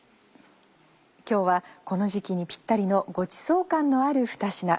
今日はこの時期にぴったりのごちそう感のある２品。